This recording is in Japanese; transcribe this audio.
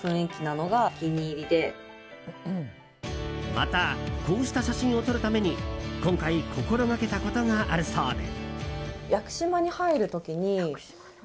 またこうした写真を撮るために今回、心がけたことがあるそうで。